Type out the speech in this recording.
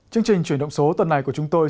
chương trình chuyển động số tuần này của chúng tôi